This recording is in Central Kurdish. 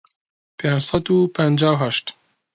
پێنج سەد و پەنجا و هەشت